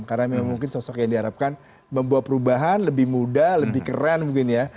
karena memang mungkin sosok yang diharapkan membuat perubahan lebih mudah lebih keren mungkin ya